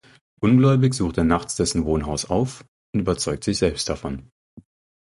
Ungläubig sucht er nachts dessen Wohnhaus auf und überzeugt sich selbst davon.